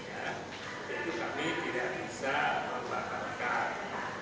jadi kami tidak bisa membatalkan